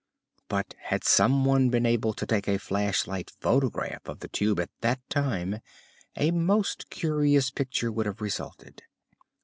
But had some one been able to take a flash light photograph of the Tube at that time a most curious picture would have resulted.